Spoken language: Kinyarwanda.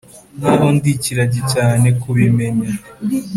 nkaho ndi ikiragi cyane kubimenya.